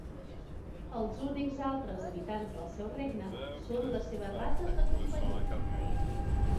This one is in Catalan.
Els únics altres habitants del seu regne són les seves rates de companyia.